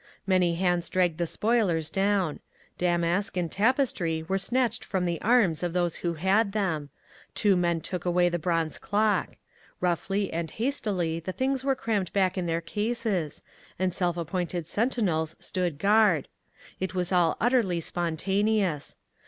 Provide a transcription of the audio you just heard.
Many hands dragged the spoilers down. Damask and tapestry were snatched from the arms of those who had them; two men took away the bronze clock. Roughly and hastily the things were crammed back in their cases, and self appointed sentinels stood guard. It was all utterly spontaneous.